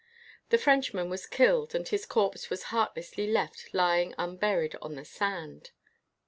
The Frenchman was killed and his corpse was heartlessly left lying un buried on the sand.